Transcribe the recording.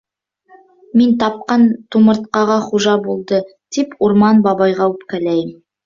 «Мин тапҡан тумыртҡаға хужа булды...» тип Урман бабайға үпкәләйем.